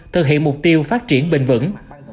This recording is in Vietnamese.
thực hiện mục tiêu phát triển bền vững